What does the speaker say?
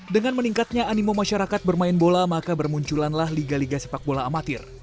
dengan meningkatnya animo masyarakat bermain bola maka bermunculanlah liga liga sepak bola amatir